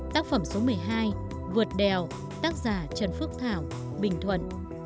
tác phẩm số một mươi hai vượt đèo tác giả trần phước thảo bình thuận